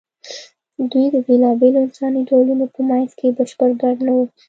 دوی د بېلابېلو انساني ډولونو په منځ کې بشپړ ګډ نه وو.